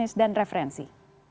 di bisnis dan referensi